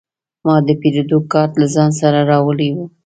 ما د پیرود کارت له ځان سره راوړی و.